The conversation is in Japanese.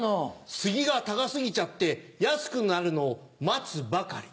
スギが高スギちゃって安くなるのをマツばかり。